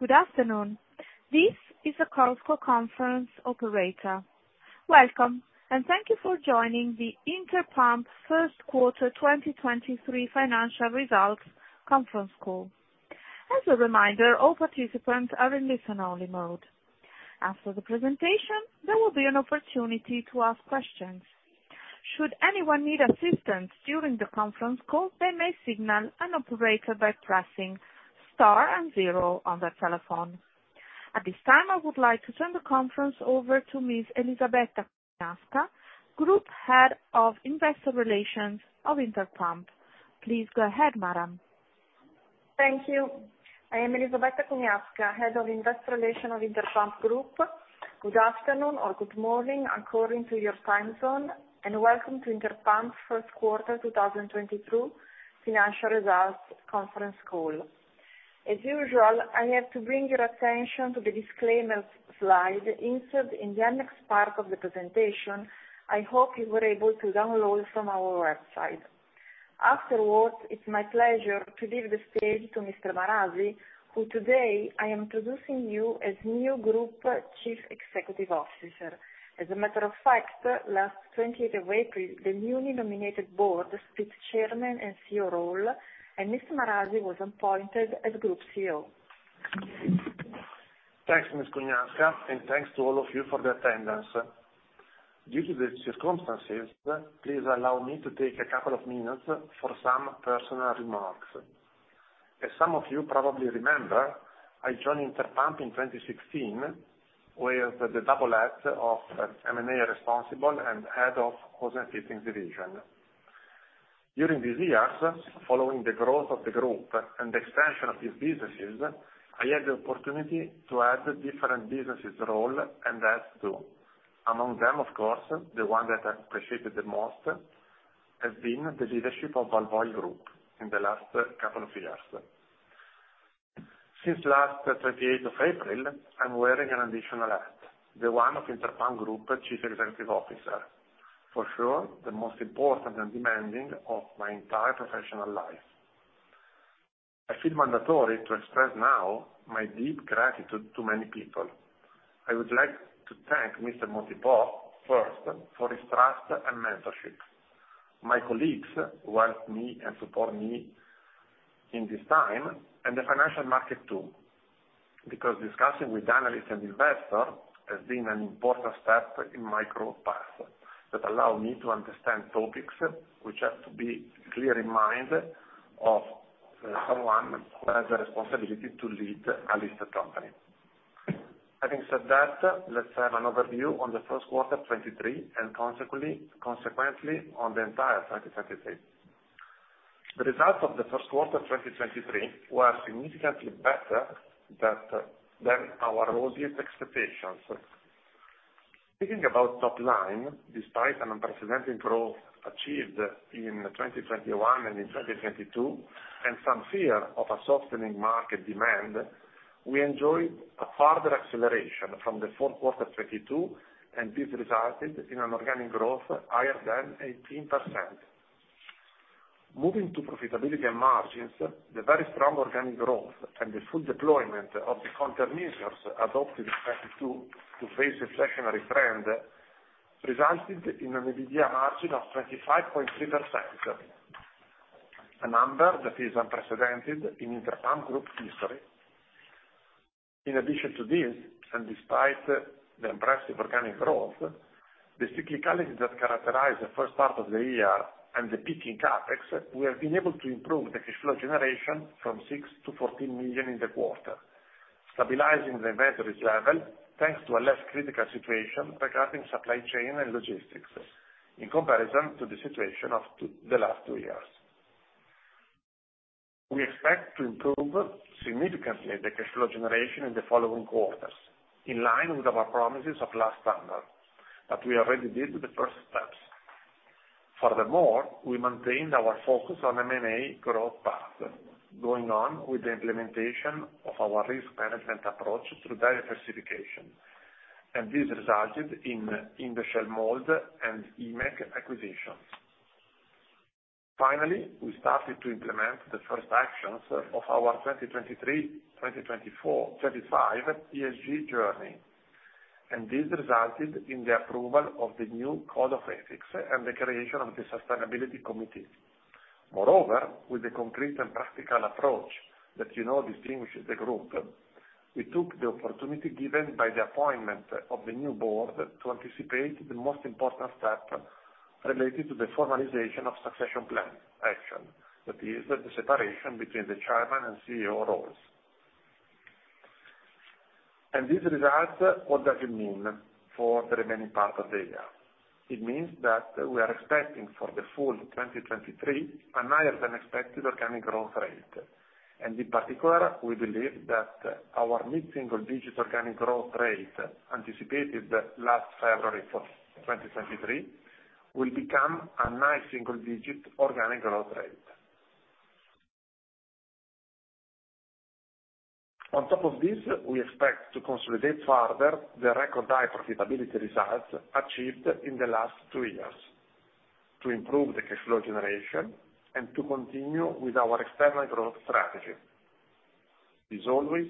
Good afternoon. This is the Chorus Call conference operator. Welcome, and thank you for joining the Interpump first quarter 2023 financial results conference call. As a reminder, all participants are in listen-only mode. After the presentation, there will be an opportunity to ask questions. Should anyone need assistance during the conference call, they may signal an operator by pressing star zero on their telephone. At this time, I would like to turn the conference over to Ms. Elisabetta Cugnasca, Group Head of Investor Relations of Interpump. Please go ahead, madam. Thank you. I am Elisabetta Cugnasca, Head of Investor Relations of Interpump Group. Good afternoon or good morning according to your time zone, and welcome to Interpump first quarter 2022 financial results conference call. As usual, I have to bring your attention to the disclaimers slide insert in the annex part of the presentation, I hope you were able to download from our website. Afterwards, it's my pleasure to give the stage to Mr. Marasi, who today I am introducing you as new group Chief Executive Officer. As a matter of fact, last 28th of April, the newly nominated board split Chairman and CEO role, and Mr. Marasi was appointed as Group CEO. Thanks, Ms. Cugnasca, thanks to all of you for the attendance. Due to the circumstances, please allow me to take two minutes for some personal remarks. As some of you probably remember, I joined Interpump in 2016 with the double hat of M&A responsible and head of Hose and Fittings division. During these years, following the growth of the group and the expansion of these businesses, I had the opportunity to add different businesses role and hat too. Among them, of course, the one that I appreciated the most has been the leadership of Walvoil Group in the last two years. Since last 28th of April, I'm wearing an additional hat, the one of Interpump Group Chief Executive Officer. For sure, the most important and demanding of my entire professional life. I feel mandatory to express now my deep gratitude to many people. I would like to thank Mr. Montipò first for his trust and mentorship, my colleagues who help me and support me in this time, and the financial market, too, because discussing with analysts and investors has been an important step in my growth path that allow me to understand topics which have to be clear in mind of someone who has the responsibility to lead a listed company. Having said that, let's have an overview on the first quarter 23 and consequently on the entire 2023. The results of the first quarter 2023 were significantly better than our rosiest expectations. Speaking about top line, despite an unprecedented growth achieved in 2021 and in 2022 and some fear of a softening market demand, we enjoyed a further acceleration from the fourth quarter 22, this resulted in an organic growth higher than 18%. Moving to profitability and margins, the very strong organic growth and the full deployment of the countermeasures adopted in 2022 to face the recessionary trend resulted in an EBITDA margin of 25.3%, a number that is unprecedented in Interpump Group history. In addition to this, and despite the impressive organic growth, the cyclicality that characterized the first part of the year and the peaking CapEx, we have been able to improve the cash flow generation from 6 million to 14 million in the quarter, stabilizing the inventories level, thanks to a less critical situation regarding supply chain and logistics in comparison to the situation of the last two years. We expect to improve significantly the cash flow generation in the following quarters, in line with our promises of last summer that we already did the first steps. Furthermore, we maintained our focus on M&A growth path, going on with the implementation of our risk management approach through diversification, this resulted in the Shell Mold and I.Mec acquisitions. Finally, we started to implement the first actions of our 2023, 2024, 2025 ESG journey, this resulted in the approval of the new code of ethics and the creation of the sustainability committee. Moreover, with the concrete and practical approach that you know distinguishes the group, we took the opportunity given by the appointment of the new board to anticipate the most important step related to the formalization of succession plan action. That is the separation between the chairman and CEO roles. These results, what does it mean for the remaining part of the year? It means that we are expecting for the full 2023 a higher than expected organic growth rate. In particular, we believe that our mid-single digit organic growth rate anticipated last February of 2023 will become a high single digit organic growth rate. On top of this, we expect to consolidate further the record high profitability results achieved in the last two years to improve the cash flow generation and to continue with our external growth strategy. As always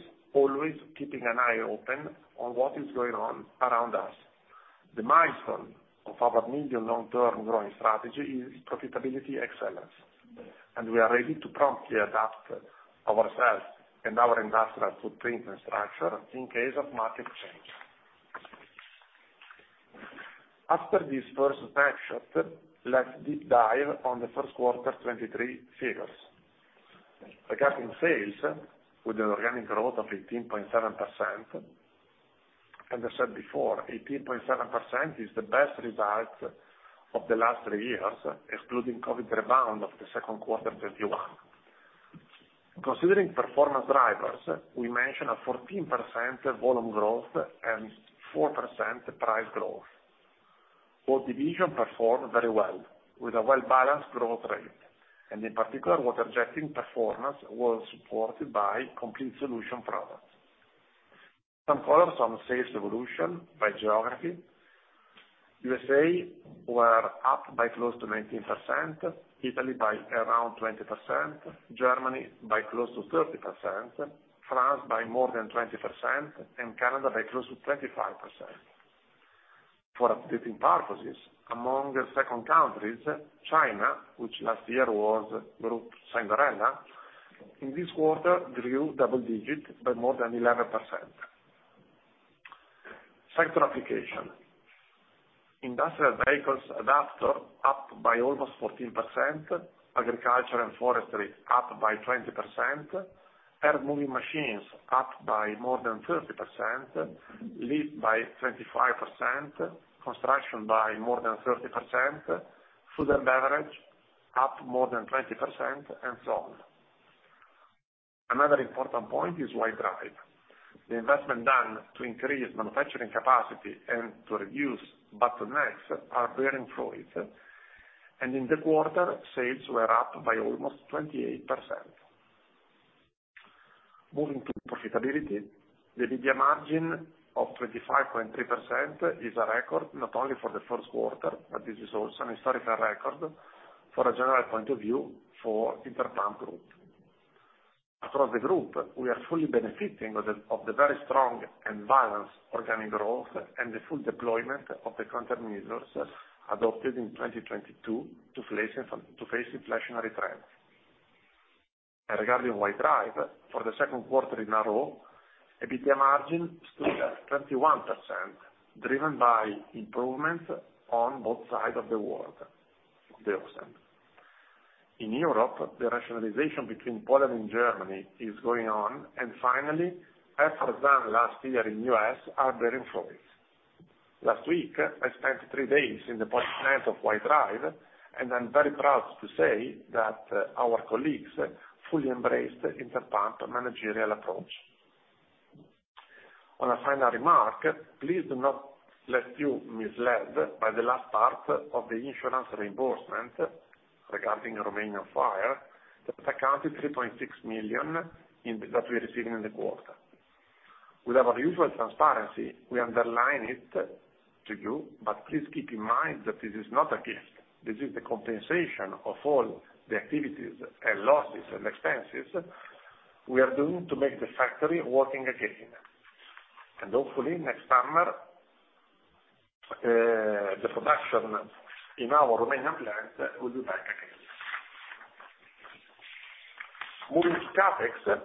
keeping an eye open on what is going on around us. The milestone of our medium long-term growing strategy is profitability excellence, and we are ready to promptly adapt ourselves and our industrial footprint and structure in case of market change. After this first snapshot, let's deep dive on the first quarter 2023 figures. Regarding sales, with an organic growth of 18.7%. I said before, 18.7% is the best result of the last three years, excluding COVID rebound of Q2 2021. Considering performance drivers, we mentioned a 14% volume growth and 4% price growth. Both division performed very well with a well-balanced growth rate. In particular, Water-Jetting performance was supported by complete solution products. Some colors on sales evolution by geography. USA were up by close to 19%, Italy by around 20%, Germany by close to 30%, France by more than 20%, and Canada by close to 25%. For updating purposes, among the second countries, China, which last year was Group Cinderella, in this quarter grew double digit by more than 11%. Sector application. Industrial vehicles adapter up by almost 14%, agriculture and forestry up by 20%, earth moving machines up by more than 30%, lift by 25%, construction by more than 30%, food and beverage up more than 20%, and so on. Another important point is White Drive. The investment done to increase manufacturing capacity and to reduce bottlenecks are bearing fruit, and in the quarter, sales were up by almost 28%. Moving to profitability, the EBITDA margin of 25.3% is a record not only for the first quarter, but this is also an historical record for a general point of view for Interpump Group. Across the group, we are fully benefiting of the very strong and balanced organic growth and the full deployment of the counter measures adopted in 2022 to face inflationary trends. Regarding White Drive, for the second quarter in a row, EBITDA margin stood at 21%, driven by improvement on both sides of the world, the ocean. In Europe, the rationalization between Poland and Germany is going on, and finally, efforts done last year in U.S. are bearing fruit. Last week, I spent 3 days in the bottom line of White Drive, and I'm very proud to say that our colleagues fully embraced Interpump managerial approach. On a final remark, please do not let you misled by the last part of the insurance reimbursement regarding Romanian fire that accounted 3.6 million that we are receiving in the quarter. With our usual transparency, we underline it to you, please keep in mind that this is not a gift. This is the compensation of all the activities and losses and expenses we are doing to make the factory working again. Hopefully next summer, the production in our Romanian plant will be back again. Moving to CapEx.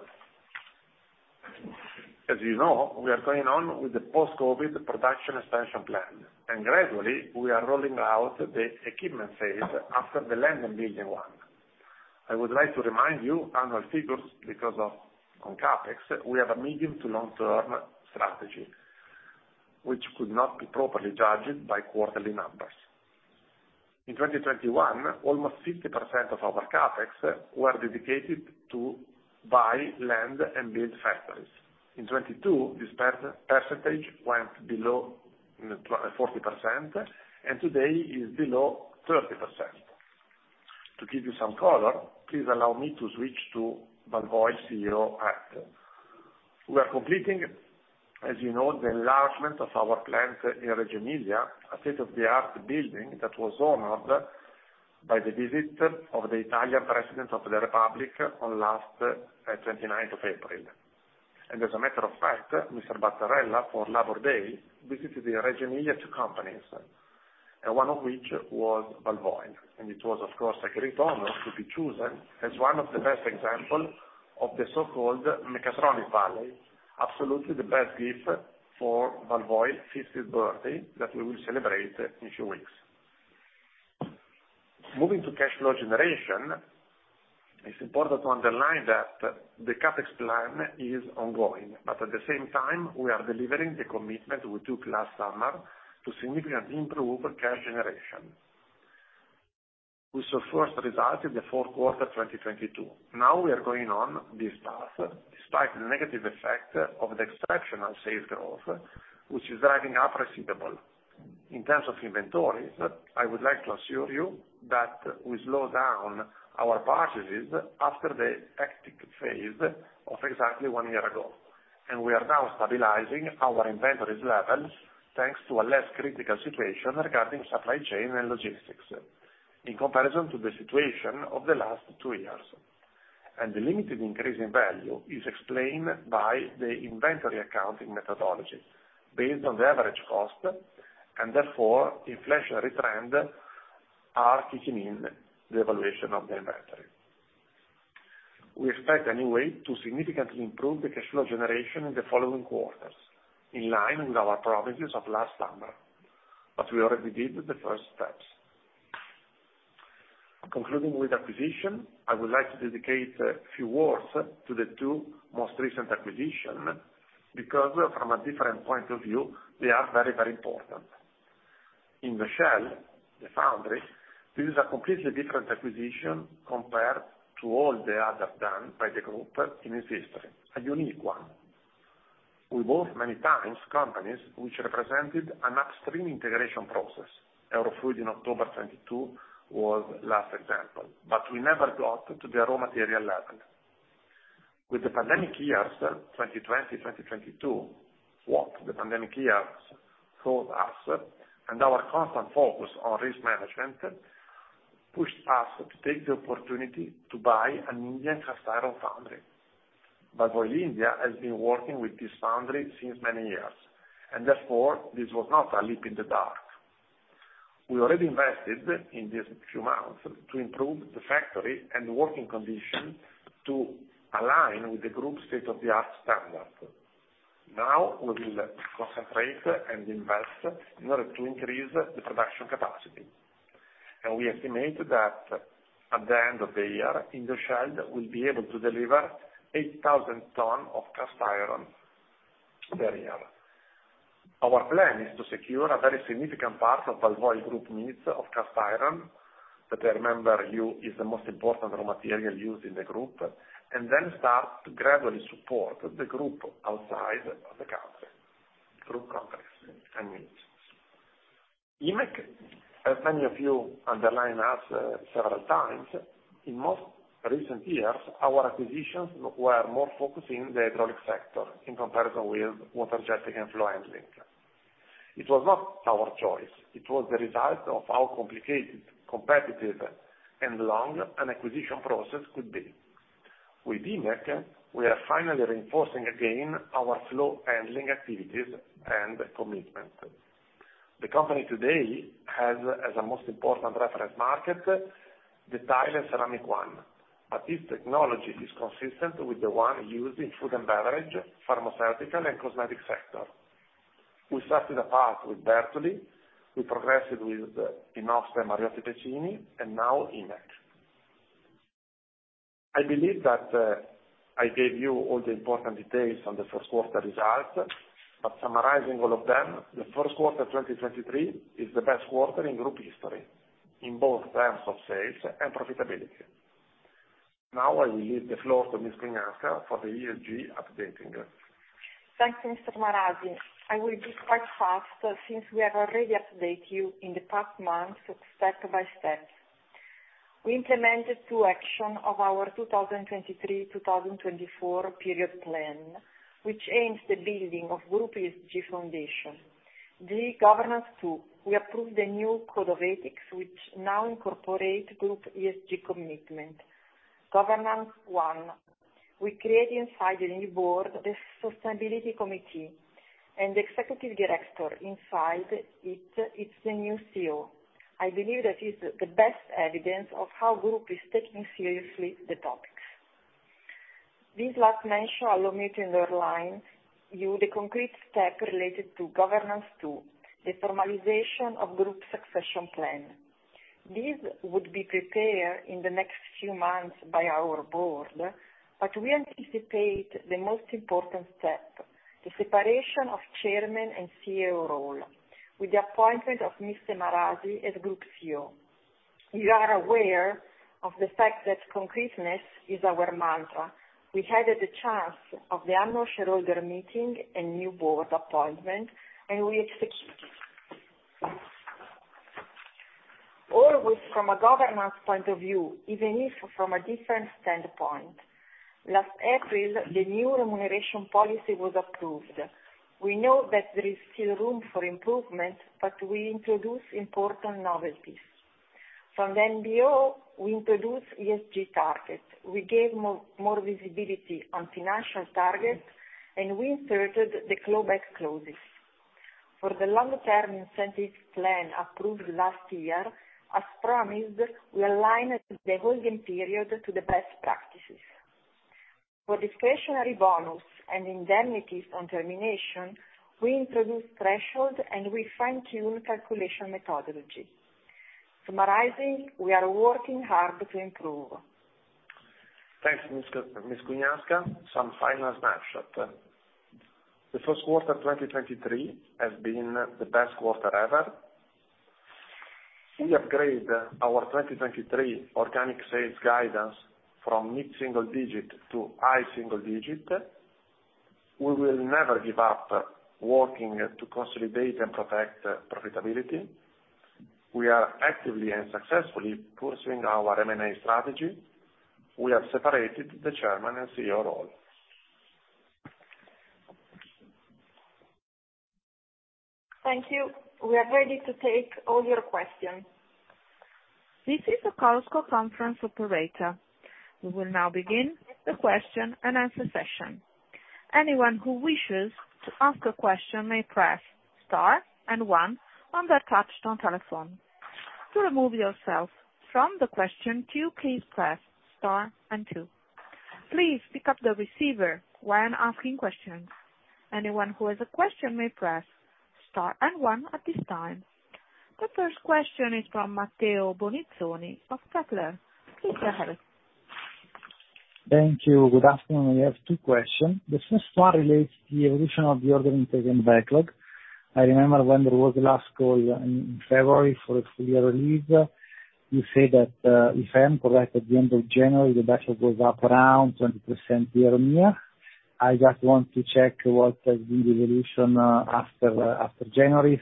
As you know, we are going on with the post-COVID production expansion plan, and gradually, we are rolling out the equipment phase after the land and building one. I would like to remind you annual figures because of, on CapEx, we have a medium to long-term strategy which could not be properly judged by quarterly numbers. In 2021, almost 50% of our CapEx were dedicated to buy land and build factories. In 2022, this per-percentage went below 40% and today is below 30%. To give you some color, please allow me to switch to Walvoil CEO hat. We are completing, as you know, the enlargement of our plant in Reggio Emilia, a state-of-the-art building that was honored by the visit of the Italian President of the Republic on last 29th of April. As a matter of fact, Mr. Mattarella, for Labor Day, visited the Reggio Emilia two companies, one of which was Walvoil. It was, of course, a great honor to be chosen as one of the best example of the so-called Mechatronics Valley, absolutely the best gift for Walvoil's 50th birthday that we will celebrate in few weeks. Moving to cash flow generation, it's important to underline that the CapEx plan is ongoing, but at the same time, we are delivering the commitment we took last summer to significantly improve cash generation. We saw first result in the fourth quarter, 2022. We are going on this path despite the negative effect of the exceptional sales growth, which is driving up receivable. In terms of inventories, I would like to assure you that we slow down our purchases after the hectic phase of exactly one year ago, and we are now stabilizing our inventories levels, thanks to a less critical situation regarding supply chain and logistics in comparison to the situation of the last two years. The limited increase in value is explained by the inventory accounting methodology based on the average cost and therefore inflationary trend are kicking in the evaluation of the inventory. We expect anyway to significantly improve the cash flow generation in the following quarters, in line with our promises of last summer. We already did the first steps. Concluding with acquisition, I would like to dedicate a few words to the two most recent acquisition, because from a different point of view, they are very, very important. Indoshell, the foundry, this is a completely different acquisition compared to all the others done by the group in its history, a unique one. We bought many times companies which represented an upstream integration process. Eurofluid in October 2022 was last example, but we never got to the raw material level. With the pandemic years, 2020, 2022, what the pandemic years showed us and our constant focus on risk management pushed us to take the opportunity to buy an Indian cast iron foundry. Walvoil India has been working with this foundry since many years and therefore this was not a leap in the dark. We already invested in these few months to improve the factory and the working conditions to align with the group state-of-the-art standard. We will concentrate and invest in order to increase the production capacity. We estimate that at the end of the year, Indoshell will be able to deliver 8,000 tons of cast iron per year. Our plan is to secure a very significant part of Walvoil Group needs of cast iron, that I remember you, is the most important raw material used in the group, start to gradually support the group outside of the country through contracts and needs. I.Mec, as many of you underline us several times, in most recent years, our acquisitions were more focused in the hydraulic sector in comparison with Water-Jetting and flow handling. It was not our choice, it was the result of how complicated, competitive and long an acquisition process could be. I.Mec, we are finally reinforcing again our flow handling activities and commitment. The company today has as a most important reference market, the tile and ceramic one, but this technology is consistent with the one used in food and beverage, pharmaceutical and cosmetic sector. We started a path with Bertoli, we progressed with Inoxpa Mariotti & Pecini, and I.Mec. i believe that I gave you all the important details on the first quarter results, but summarizing all of them, the first quarter 2023 is the best quarter in group history, in both terms of sales and profitability. Now I will leave the floor to Ms.Cugnasca for the ESG updating. Thanks, Mr. Marasi. I will be quite fast since we have already update you in the past months step by step. We implemented two action of our 2023/2024 period plan, which aims the building of group ESG foundation. The governance two, we approved the new code of ethics, which now incorporate group ESG commitment. Governance one, we create inside the new board the sustainability committee and the executive director inside it's the new CEO. I believe that is the best evidence of how group is taking seriously the topics. This last mention allow me to underline you the concrete step related to governance two, the formalization of group succession plan. This would be prepared in the next few months by our board, but we anticipate the most important step, the separation of chairman and CEO role with the appointment of Mr. Marasi as Group CEO. You are aware of the fact that concreteness is our mantra. We had the chance of the annual shareholder meeting and new board appointment. We executed. Always from a governance point of view, even if from a different standpoint, last April, the new remuneration policy was approved. We know that there is still room for improvement. We introduce important novelties. From then, we introduced ESG targets. We gave more visibility on financial targets. We inserted the clawback clauses. For the long term incentive plan approved last year, as promised, we aligned the holding period to the best practices. For discretionary bonus and indemnities on termination, we introduced threshold. We fine-tune calculation methodology. Summarizing, we are working hard to improve. Thanks, Ms. Cugnasca. Some final snapshot. The first quarter 2023 has been the best quarter ever. We upgrade our 2023 organic sales guidance from mid-single-digit to high-single-digit. We will never give up working to consolidate and protect profitability. We are actively and successfully pursuing our M&A strategy. We have separated the chairman and CEO role. Thank you. We are ready to take all your questions. This is the Chorus Call conference operator. We will now begin the question and answer session. Anyone who wishes to ask a question may press Star and One on their touchtone telephone. To remove yourself from the question queue, please press Star and Two. Please pick up the receiver when asking questions. Anyone who has a question may press Star and One at this time. The first question is from Matteo Bonizzoni of Kepler. Please go ahead. Thank you. Good afternoon. I have two questions. The first one relates the evolution of the order intake and backlog. I remember when there was last call in February for the full year release, you said that, if I am correct, at the end of January, the backlog was up around 20% year-on-year. I just want to check what has been the evolution after January.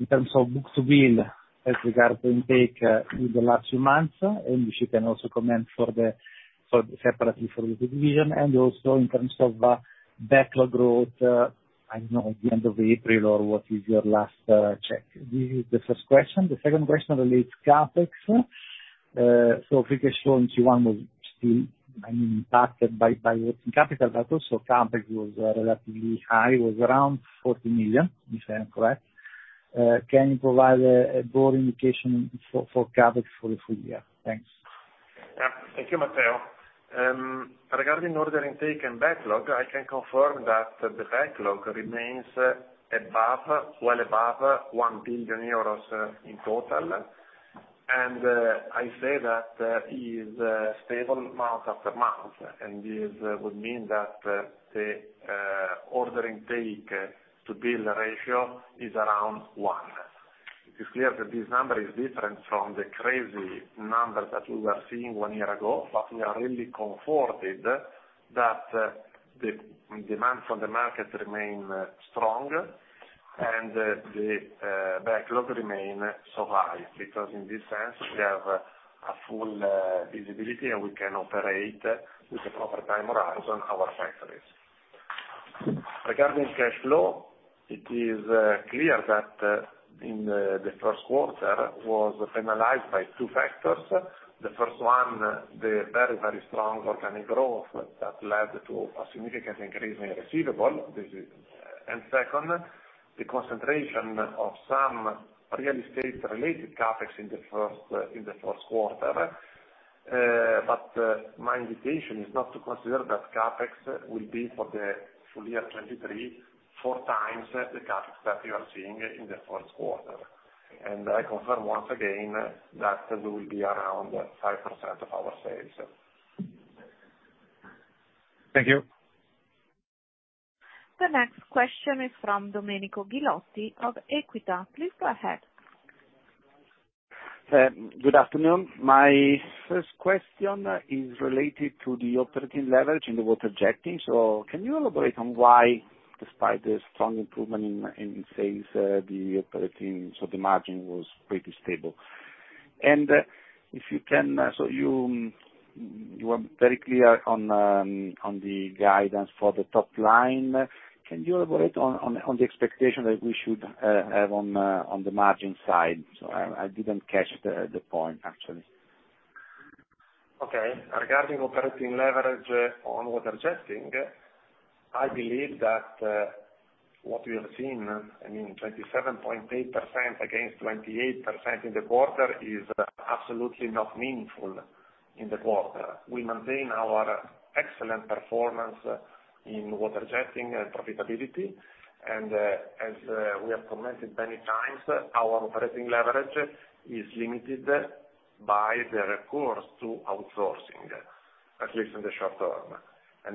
In terms of book-to-bill, as regard to intake in the last few months, if you can also comment separately for the division and also in terms of backlog growth, I know at the end of April or what is your last check? This is the first question. The second question relates CapEx. Free cash flow in Q1 was still, I mean, impacted by working capital, but also CapEx was relatively high, it was around 40 million, if I am correct. Can you provide a broad indication for CapEx for the full year? Thanks. Thank you, Matteo. Regarding order intake and backlog, I can confirm that the backlog remains above, well above 1 billion euros in total. I say that it is stable month after month, this would mean that the order intake to bill ratio is around one. It is clear that this number is different from the crazy numbers that we were seeing one year ago, we are really comforted that the demand from the market remain strong and the backlog remain so high, because in this sense we have a full visibility and we can operate with the proper time horizon our factories. Regarding cash flow, it is clear that in the first quarter was penalized by two factors. The first one, the very strong organic growth that led to a significant increase in receivable. Second, the concentration of some real estate related CapEx in the first quarter. My invitation is not to consider that CapEx will be for the full year 2023, four times the CapEx that you are seeing in the first quarter. I confirm once again that we will be around 5% of our sales. Thank you. The next question is from Domenico Ghilotti of Equita. Please go ahead. Good afternoon. My first question is related to the operating leverage in the Water-Jetting. Can you elaborate on why, despite the strong improvement in sales, the margin was pretty stable? If you can, you were very clear on the guidance for the top line. Can you elaborate on the expectation that we should have on the margin side? I didn't catch the point, actually. Okay. Regarding operating leverage on Water-Jetting, I believe that what we have seen, I mean, 27.8% against 28% in the quarter, is absolutely not meaningful in the quarter. We maintain our excellent performance in Water-Jetting and profitability. As we have commented many times, our operating leverage is limited by the recourse to outsourcing, at least in the short term.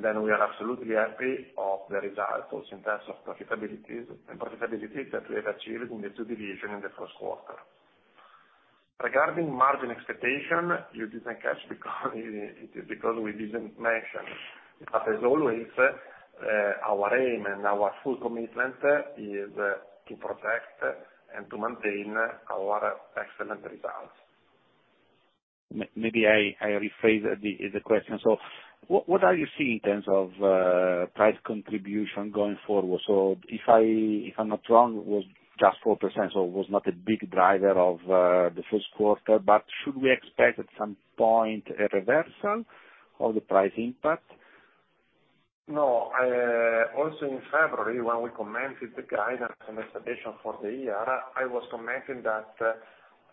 Then we are absolutely happy of the results in terms of profitabilities and profitability that we have achieved in the two divisions in the first quarter. Regarding margin expectation, you didn't catch because, it is because we didn't mention. As always, our aim and our full commitment is to protect and to maintain our excellent results. Maybe I rephrase the question. What are you seeing in terms of price contribution going forward? If I'm not wrong, it was just 4%, so it was not a big driver of the first quarter, but should we expect at some point a reversal of the price impact? No. Also in February, when we commented the guidance and expectation for the year, I was commenting that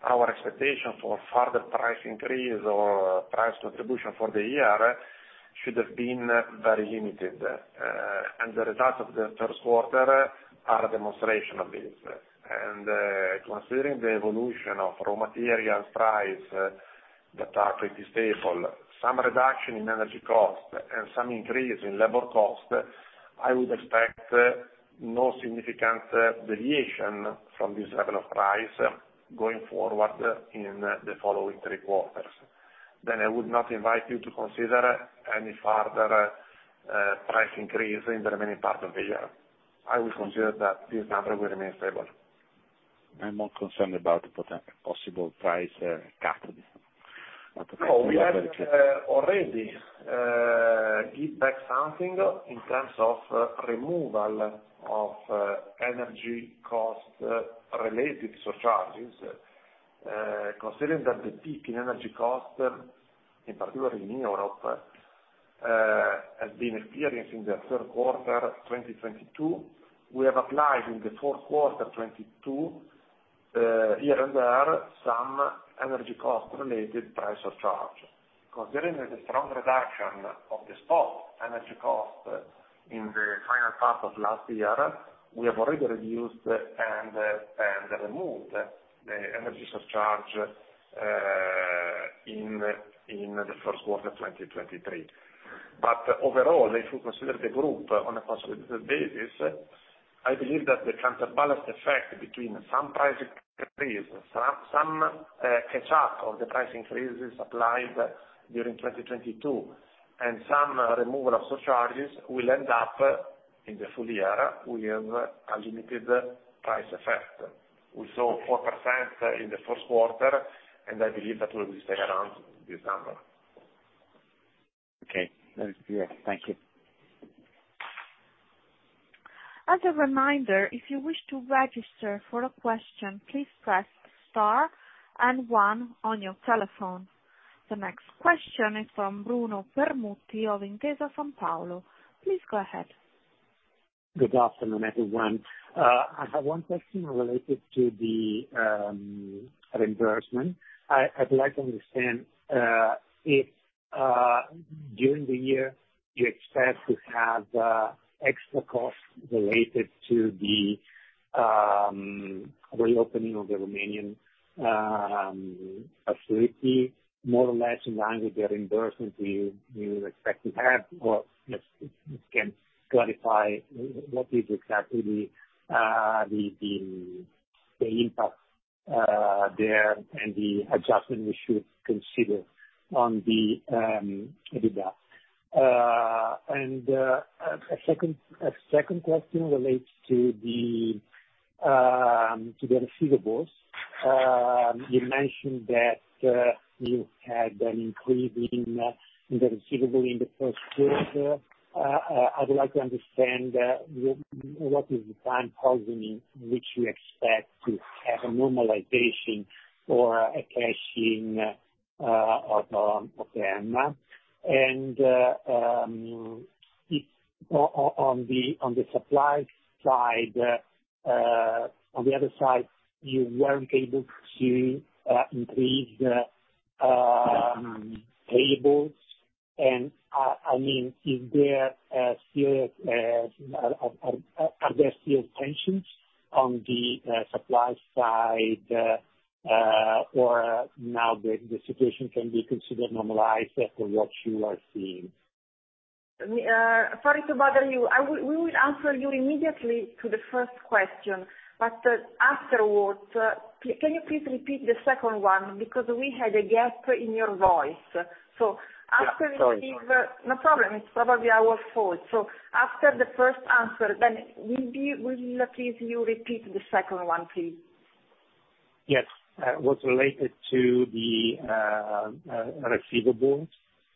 our expectation for further price increase or price contribution for the year should have been very limited. The results of the first quarter are a demonstration of this. Considering the evolution of raw materials price that are pretty stable, some reduction in energy cost and some increase in labor cost. I would expect no significant variation from this level of price going forward in the following three quarters. I would not invite you to consider any further price increase in the remaining part of the year. I will consider that this number will remain stable. I'm more concerned about potential possible price cut. We have already give back something in terms of removal of energy cost related surcharges, considering that the peak in energy cost, in particular in Europe, has been experienced in the third quarter 2022. We have applied in the fourth quarter 2022 here and there some energy cost related price surcharge. Considering the strong reduction of the stock energy cost in the final part of last year, we have already reduced and removed the energy surcharge in the first quarter 2023. Overall, if you consider the group on a consolidated basis, I believe that the counterbalanced effect between some price increase, some catch up of the price increases applied during 2022 and some removal of surcharges will end up in the full year with a limited price effect. We saw 4% in the first quarter, and I believe that we will stay around this number. Okay. That is clear. Thank you. As a reminder, if you wish to register for a question, please press star one on your telephone. The next question is from Bruno Permutti of Intesa Sanpaolo. Please go ahead. Good afternoon, everyone. I have one question related to the reimbursement. I'd like to understand if during the year you expect to have extra costs related to the reopening of the Romanian facility, more or less in line with the reimbursement you expect to have, or just can clarify what is exactly the impact there and the adjustment we should consider on the EBITDA. A second question relates to the receivables. You mentioned that you had an increase in the receivable in the first quarter. I'd like to understand what is the time framing which you expect to have a normalization or a cash in of them. If on the supply side, on the other side, you weren't able to increase the payables and, I mean, are there still tensions on the supply side, or now the situation can be considered normalized as to what you are seeing? Sorry to bother you. We will answer you immediately to the first question. Afterwards, can you please repeat the second one? We had a gap in your voice. Yeah, sorry. No problem. It's probably our fault. After the first answer, will you, please you repeat the second one, please? Yes. What's related to the receivables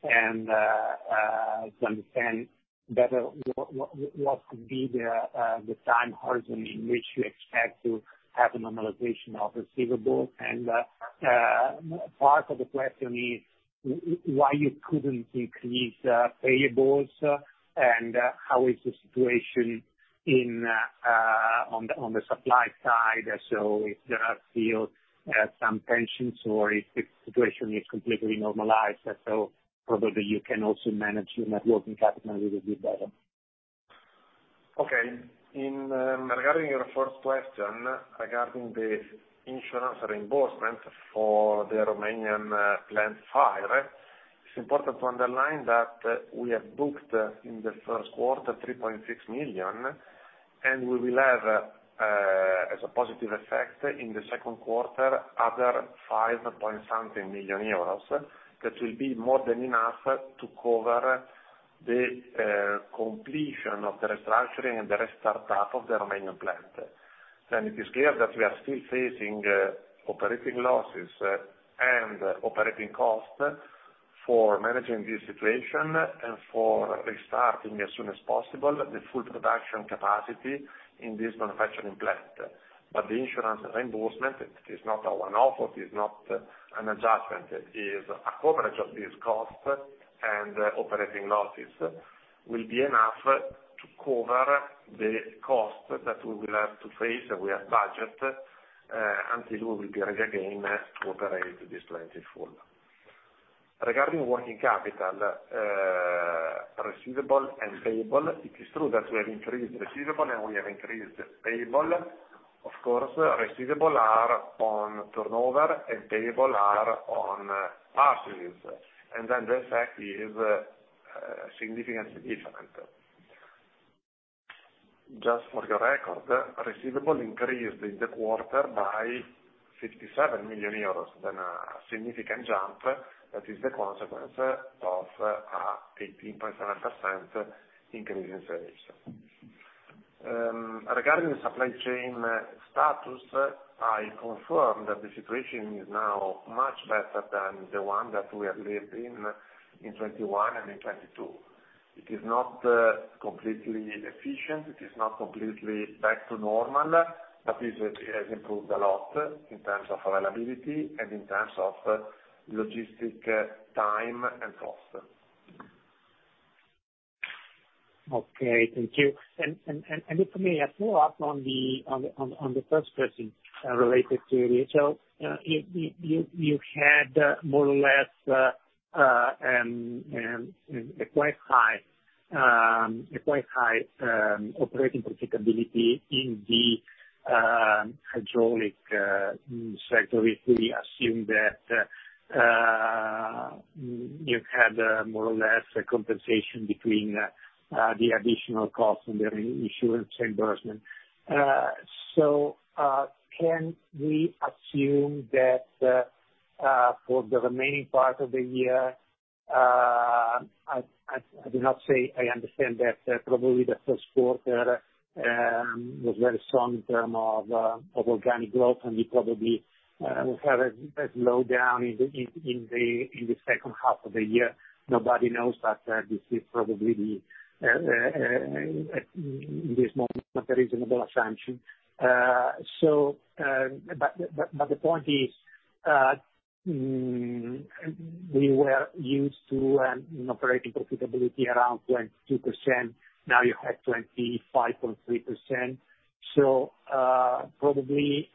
and to understand better what could be the time horizon in which you expect to have a normalization of receivables. Part of the question is why you couldn't increase payables and how is the situation on the supply side. If there are still some tensions or if the situation is completely normalized, probably you can also manage your net working capital a little bit better. Okay. In regarding your first question regarding the insurance reimbursement for the Romanian plant fire, it's important to underline that we have booked in the first quarter 3.6 million, and we will have as a positive effect in the second quarter, other 5 point something million. That will be more than enough to cover the completion of the restructuring and the restartup of the Romanian plant. It is clear that we are still facing operating losses and operating costs for managing this situation and for restarting as soon as possible the full production capacity in this manufacturing plant. The insurance reimbursement is not a one-off. It's not an adjustment. It is a coverage of these costs and operating losses will be enough to cover the costs that we will have to face. We have budget until we will be ready again to operate this plant in full. Regarding working capital, receivable and payable, it is true that we have increased receivable and we have increased payable. Of course, receivable are on turnover and payable are on purchases. The effect is significantly different. Just for your record, receivable increased in the quarter by 57 million euros, a significant jump that is the consequence of 18.7% increase in sales. Regarding the supply chain status, I confirm that the situation is now much better than the one that we have lived in 2021 and in 2022. It is not completely efficient. It is not completely back to normal, but it has improved a lot in terms of availability and in terms of logistic time and cost. Okay, thank you. Look to me, a follow-up on the first question, related to it. You had more or less a quite high operating profitability in the hydraulic sector. If we assume that you had more or less a compensation between the additional cost and the insurance reimbursement. Can we assume that for the remaining part of the year, I do not say I understand that probably the first quarter was very strong in term of organic growth, and we probably will have a slowdown in the second half of the year? Nobody knows, this is probably the at this moment, a reasonable assumption. The point is, we were used to operating profitability around 22%. Now you have 25.3%. Probably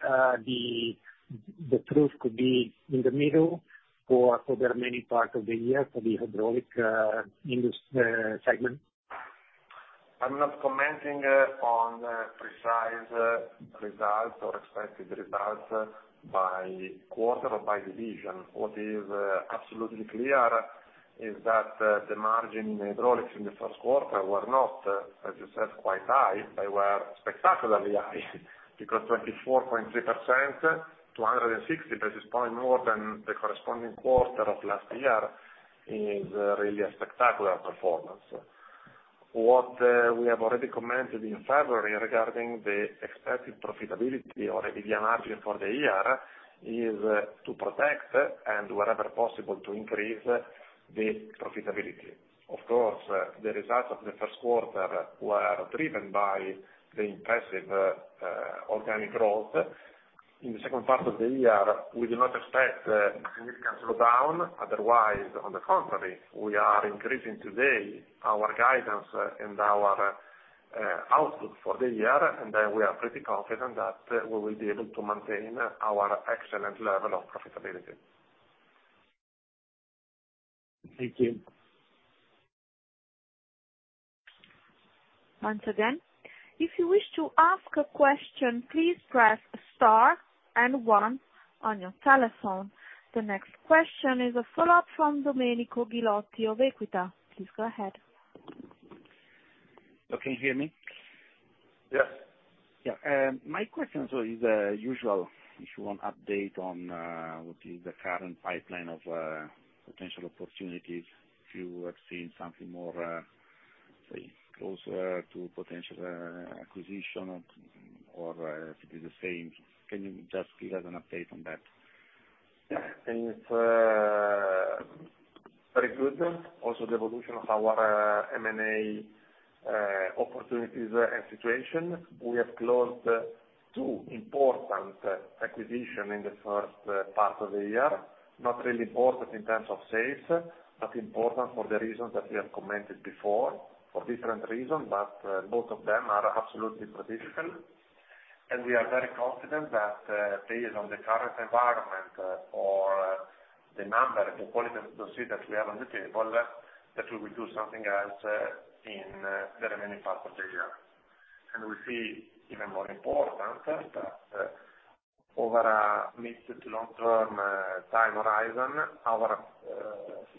the truth could be in the middle for the remaining part of the year for the hydraulic segment. I'm not commenting on precise results or expected results by quarter or by division. What is absolutely clear is that the margin in hydraulics in the first quarter were not, as you said, quite high. They were spectacularly high because 24.3% to 160 basis points more than the corresponding quarter of last year is really a spectacular performance. What we have already commented in February regarding the expected profitability or EBITDA margin for the year is to protect and wherever possible to increase the profitability. Of course, the results of the first quarter were driven by the impressive organic growth. In the second part of the year, we do not expect a significant slowdown. On the contrary, we are increasing today our guidance and our output for the year. We are pretty confident that we will be able to maintain our excellent level of profitability. Thank you. Once again, if you wish to ask a question, please press star and one on your telephone. The next question is a follow-up from Domenico Ghilotti of Equita. Please go ahead. Can you hear me? Yes. Yeah. My question so is usual. If you want update on what is the current pipeline of potential opportunities, if you have seen something more, say, closer to potential acquisition or if it is the same, can you just give us an update on that? Yeah. It's very good. Also the evolution of our M&A opportunities and situation. We have closed two important acquisition in the first part of the year. Not really important in terms of sales, but important for the reasons that we have commented before, for different reasons. Both of them are absolutely traditional. We are very confident that, based on the current environment or the number and the quality of the seed that we have on the table, that we will do something else in the remaining part of the year. We see even more important that, over a mid to long-term time horizon, our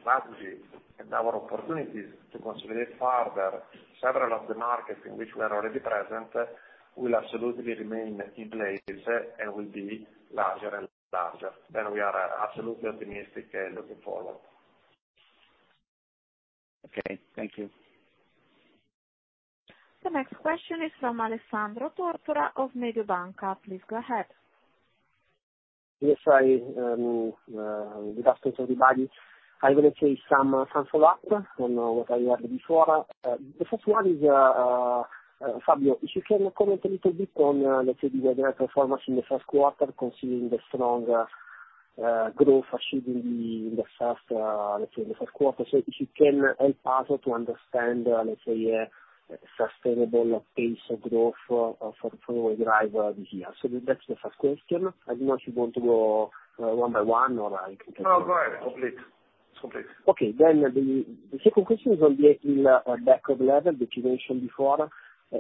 strategy and our opportunities to consolidate further several of the markets in which we are already present will absolutely remain in place and will be larger and larger. We are absolutely optimistic and looking forward. Okay, thank you. The next question is from Alessandro Tortora of Mediobanca. Please go ahead. Yes. I, with the best to everybody, I will take some follow-up on what I heard before. The first one is, Fabio, if you can comment a little bit on, let's say, the weather performance in the first quarter, considering the strong growth achieved in the, in the first, let's say the first quarter. If you can help us to understand, let's say, a sustainable pace of growth for the driver this year. That's the first question. I don't know if you want to go one by one or I can. No, go ahead. Complete. Okay, then the, the second question is on the inaudible or back of level that you mentioned before. Uh,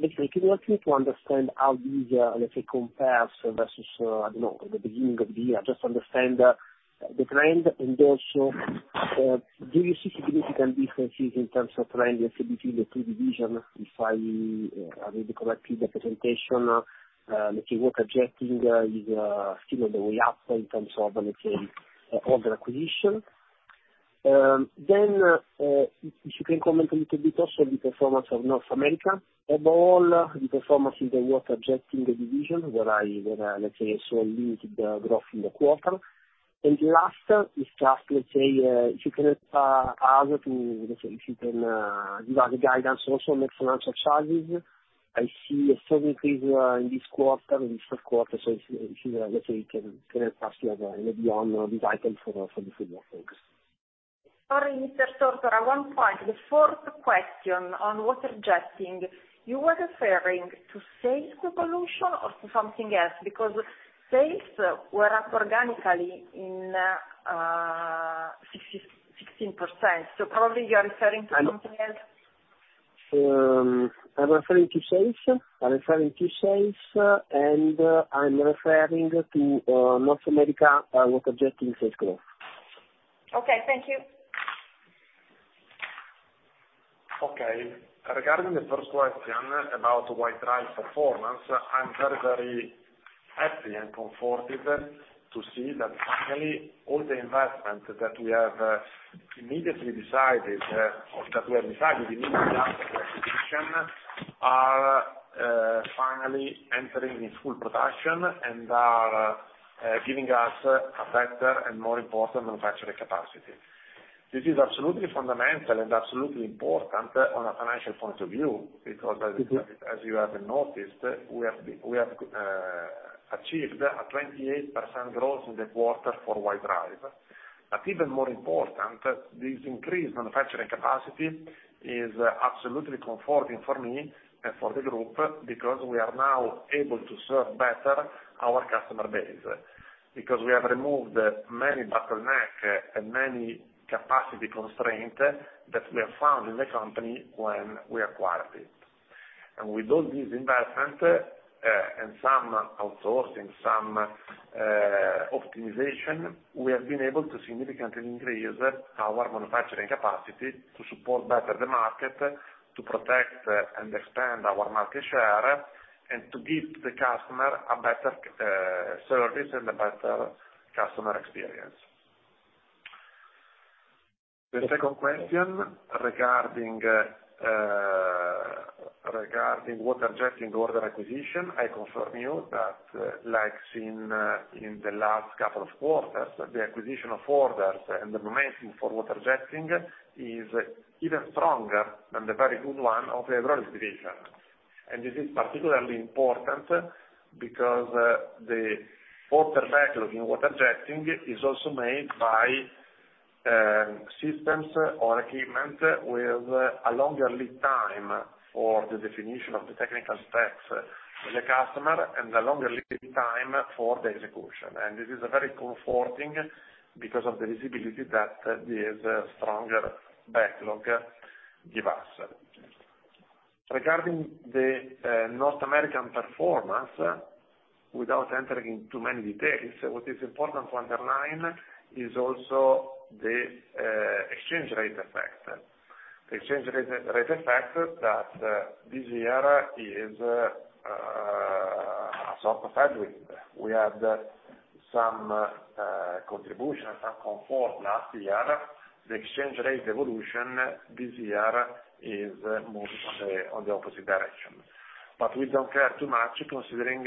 like, can you help me to understand how these, uh, let's say compares versus, uh, I don't know, the beginning of the year, just understand the, the trend and also, uh, do you see significant differences in terms of trend, let's say, between the two division if I read correctly the presentation, uh, that Water-Jetting is, uh, still on the way up in terms of, let's say, of the acquisition. Um, then, uh, if, if you can comment a little bit also the performance of North America, above all the performance in the Water-Jetting, the division where I, where, uh, let's say, I saw a limited growth in the quarter. And last, it's just, let's say, uh, if you can help, uh, us to... Let's say if you can give us a guidance also on the financial charges. I see a certain increase in this quarter, in this first quarter. If you, let's say, can help us to have a maybe on this item for the feedback. Thanks. Sorry, Mr. Tortora, 1 point. The fourth question on Water-Jetting, you were referring to sales revolution or to something else? Sales were up organically in 16%, probably you are referring to something else. I'm referring to sales. I'm referring to sales, and I'm referring to North America, Water-Jetting sales growth. Okay, thank you. Okay. Regarding the first question about White Drive performance, I'm very happy and comforted to see that finally all the investment that we have immediately decided, or that we have decided immediately after acquisition are finally entering in full production and are giving us a better and more important manufacturing capacity. This is absolutely fundamental and absolutely important on a financial point of view because as you have noticed, we have achieved a 28% growth in the quarter for White Drive. Even more important, this increased manufacturing capacity is absolutely comforting for me and for the group because we are now able to serve better our customer base. We have removed many bottleneck and many capacity constraint that we have found in the company when we acquired it. With all these investment and some outsourcing, some optimization, we have been able to significantly increase our manufacturing capacity to support better the market, to protect and expand our market share, and to give the customer a better service and a better customer experience. The second question regarding Water-Jetting order acquisition, I confirm you that, like seen in the last couple of quarters, the acquisition of orders and the momentum for Water-Jetting is even stronger than the very good one of the overall division. This is particularly important because the order backlog in Water-Jetting is also made by systems or equipment with a longer lead time for the definition of the technical specs with the customer and a longer lead time for the execution. This is very comforting because of the visibility that this stronger backlog give us. Regarding the North American performance, without entering in too many details, what is important to underline is also the exchange rate effect. The exchange rate effect that this year is sort of a headwind. We had some contribution, some comfort last year. The exchange rate evolution this year is moving on the opposite direction. We don't care too much considering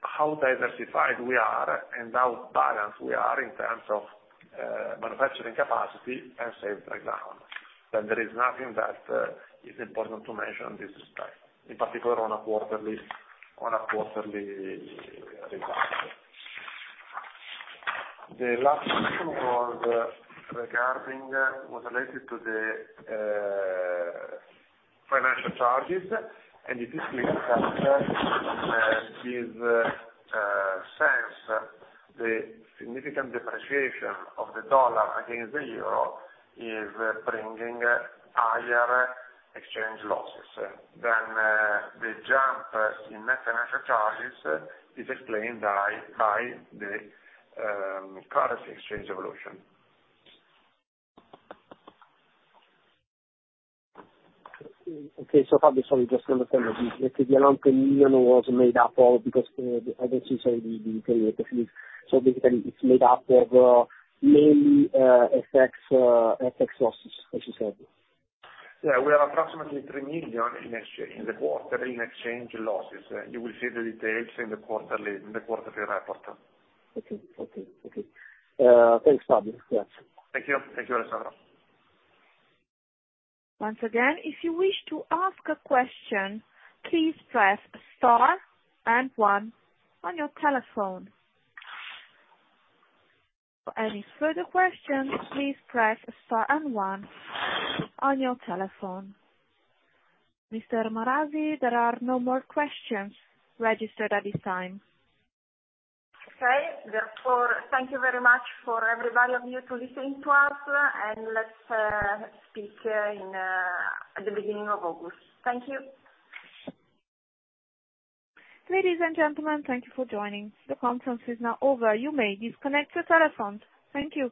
how diversified we are and how balanced we are in terms of manufacturing capacity and sales background. There is nothing that is important to mention at this time, in particular on a quarterly result. The last question was regarding... Was related to the financial charges. It is clear that since the significant depreciation of the dollar against the euro is bringing higher exchange losses, the jump in net financial charges is explained by the currency exchange evolution. Okay. Fabio, sorry, just to understand, the amount, the million was made up of, because, I don't see the detail. Basically, it's made up of, mainly, FX losses, as you said? Yeah, we are approximately 3 million in the quarter in exchange losses. You will see the details in the quarterly report. Okay. thanks, Fabio. Yes. Thank you. Thank you, Alessandro. Once again, if you wish to ask a question, please press star and one on your telephone. For any further questions, please press star and one on your telephone. Mr. Marasi, there are no more questions registered at this time. Okay. Thank you very much for everybody of you to listening to us. Let's speak in at the beginning of August. Thank you. Ladies and gentlemen, thank you for joining. The conference is now over. You may disconnect your telephone. Thank you.